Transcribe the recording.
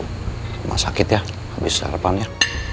kamu sakit ya habis sarapannya